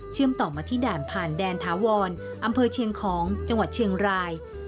ต่อมาที่ด่านผ่านแดนถาวรอำเภอเชียงของจังหวัดเชียงราย